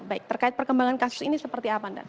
baik terkait perkembangan kasus ini seperti apa